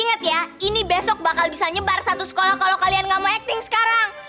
ingat ya ini besok bakal bisa nyebar satu sekolah kalau kalian gak mau acting sekarang